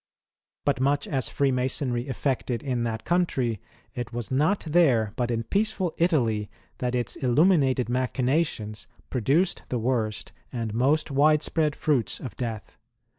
But much as Freemasonry effected in that country, it was not there but in peaceful Italy that its illuminated machinations produced the worst and most wide spread fruits of death.